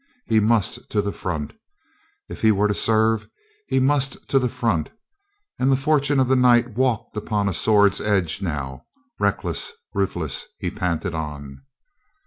He must to the front! If he were to serve, he must to the front, and the fortune of the night walked upon a sword's edge now. Reckless, ruthless, he panted on.